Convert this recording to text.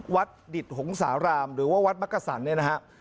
ดิตหงสารามหรือว่าวัดมักกะสันเนี่ยนะฮะ